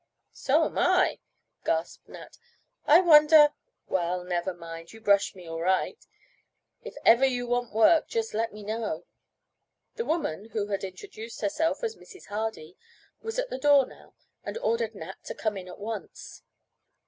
"So am I," gasped Nat. "I wonder well, never mind, you brushed me all right. If ever you want work just let me know." The woman, who had introduced herself as Mrs. Hardy, was at the door now, and ordered Nat to come in at once.